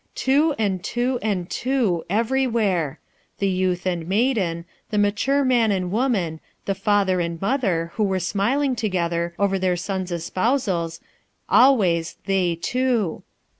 Two, and two, and two, everywhere! the youth and maiden, the mature! man and woman the father and mother who were smiling together over their son's espousals, always "they two."